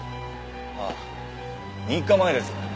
あ３日前です。